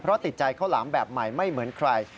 เพราะติดใจข้าวหลามแบบใหม่ไม่เหมือนใคร